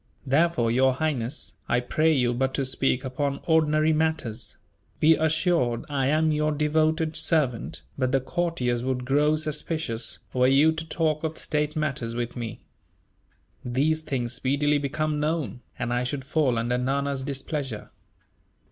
Therefore, Your Highness, I pray you but to speak upon ordinary matters; be assured I am your devoted servant, but the courtiers would grow suspicious, were you to talk of state matters with me. These things speedily become known, and I should fall under Nana's displeasure."